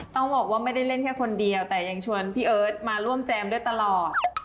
ต้องบอกว่าไม่ได้เล่นแค่คนเดียวแต่ยังชวนพี่เอิร์ทมาร่วมแจมด้วยตลอด